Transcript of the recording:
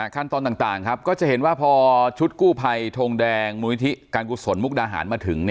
ขั้นตอนต่างครับก็จะเห็นว่าพอชุดกู้ภัยทงแดงมูลนิธิการกุศลมุกดาหารมาถึง